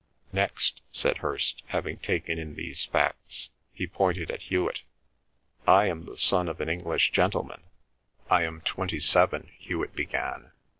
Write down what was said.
"Next," said Hirst, having taken in these facts; he pointed at Hewet. "I am the son of an English gentleman. I am twenty seven," Hewet began.